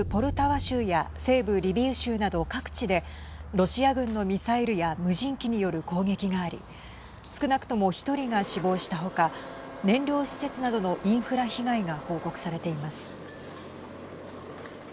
州や西部リビウ州など各地でロシア軍のミサイルや無人機による攻撃があり少なくとも１人が死亡した他燃料施設などのインフラ被害が報告されています。